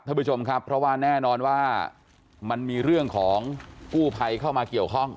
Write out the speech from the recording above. ท่านผู้ชมครับเพราะว่าแน่นอนว่ามันมีเรื่องของกู้ภัยเข้ามาเกี่ยวข้อง